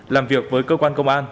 làm việc với cơ quan công an